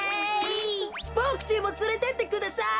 ボクちんもつれてってください。